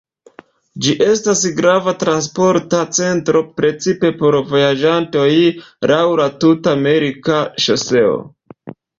Ĝi estas grava transporta centro, precipe por vojaĝantoj laŭ la Tut-Amerika Ŝoseo.